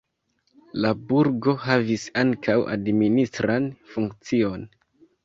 La burgo havis ankaŭ administran funkcion.